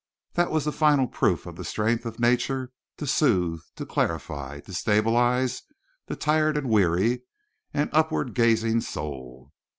That was final proof of the strength of nature to soothe, to clarify, to stabilize the tried and weary and upward gazing soul.